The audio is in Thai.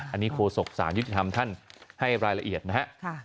อันนี้โคศกสารยุติธรรมท่านให้รายละเอียดนะฮะ